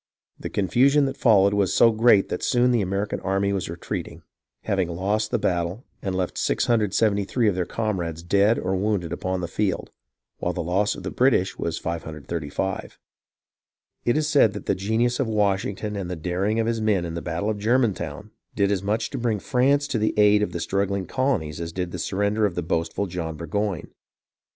The confusion that followed was so great that soon the American army was retreating, having lost the battle, and left 673 of their comrades dead or wounded upon the field, while the loss of the British was 535. It is said that the genius of Washington and the daring of his men in the battle of Germantown did as much to bring France to the aid of the struggling colonies as did the surrender of the boastful John Burgoyne.